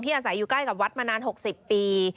อาศัยอยู่ใกล้กับวัดมานาน๖๐ปี